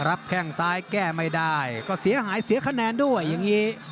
แข้งซ้ายแก้ไม่ได้ก็เสียหายเสียคะแนนด้วยอย่างนี้